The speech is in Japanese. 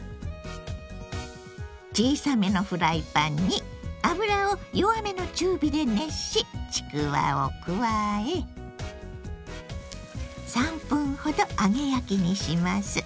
小さめのフライパンに油を弱めの中火で熱しちくわを加え３分ほど揚げ焼きにします。